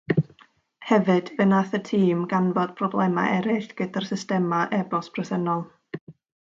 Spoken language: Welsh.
Hefyd, fe wnaeth y tîm ganfod problemau eraill gyda'r systemau e-bost presennol.